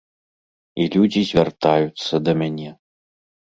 І людзі звяртаюцца да мяне.